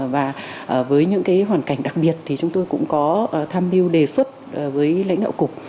và với những hoàn cảnh đặc biệt thì chúng tôi cũng có tham mưu đề xuất với lãnh đạo cục